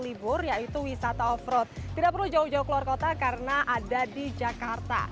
libur yaitu wisata off road tidak perlu jauh jauh keluar kota karena ada di jakarta